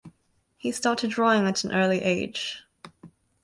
He started drawing at an early age.